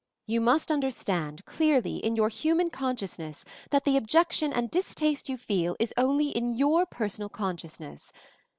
You must un derstand, clearly, in your human conscious ness, that the objection and distaste you feel is only in your personal consciousness.